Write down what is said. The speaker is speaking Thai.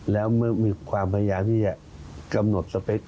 แล้วเมื่อมีความพยายามที่จะกำหนดสเปค